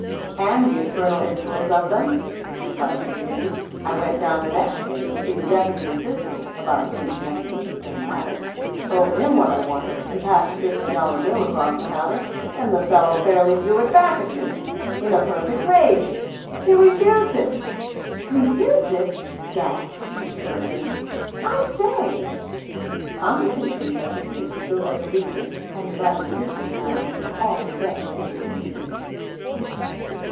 "And the infernal insolence of them," Mr. Fyshe continued. "I went down the next day to see the deputy assistant (about a thing connected with the same matter), told him what I wanted and passed a fifty dollar bill across the counter and the fellow fairly threw it back at me, in a perfect rage. He refused it!" "Refused it," gasped Mr. Spillikins, "I say!" Conversations such as this filled up the leisure and divided the business time of all the best people in the city.